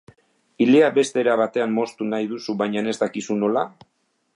Ilea beste era batean moztu nahi duzu baina ez dakizu nola?